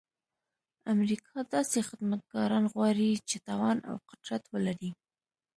امریکا داسې خدمتګاران غواړي چې توان او قدرت ولري.